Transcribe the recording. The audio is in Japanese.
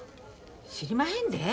知りまへんで。